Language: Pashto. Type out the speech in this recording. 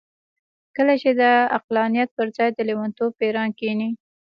کله چې د عقلانيت پر ځای د لېونتوب پېريان کېني.